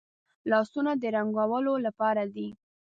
لاسونه د رنګولو لپاره دي